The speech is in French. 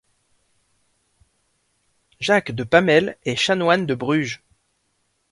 Jacques de Pamele est chanoine de Bruges.